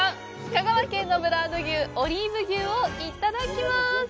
香川県のブランド牛オリーブ牛をいただきます！